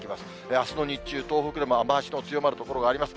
あすの日中、東北でも雨足の強まる所があります。